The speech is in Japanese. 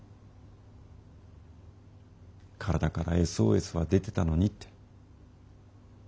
体からＳＯＳは出てたのにって。